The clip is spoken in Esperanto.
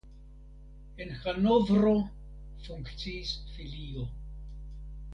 En Hanovro funkciis filio.